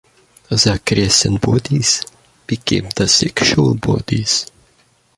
The crescent bodies become the sexual bodies.